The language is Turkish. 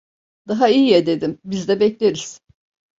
Daha iyi ya, dedim, biz de bekleriz.